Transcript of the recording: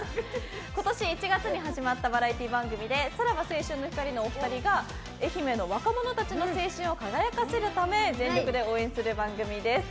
今年１月に始まったバラエティー番組でさらば青春の光のお二人が愛媛の若者たちの青春を輝かせるため全力で応援する番組です。